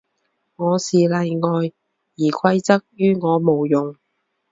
我是例外，而规则于我无用。